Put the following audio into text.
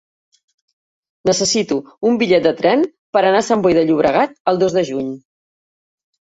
Necessito un bitllet de tren per anar a Sant Boi de Llobregat el dos de juny.